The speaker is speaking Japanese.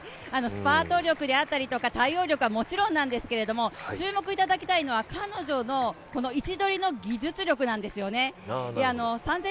スパート力であったり対応力はもちろんなんですけれども、注目いただきたいのは彼女の位置取りの技術力なんですよね。